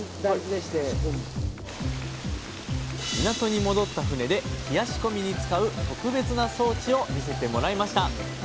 港に戻った船で冷やし込みに使う特別な装置を見せてもらいました。